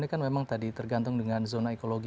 ini kan memang tadi tergantung dengan zona ekologi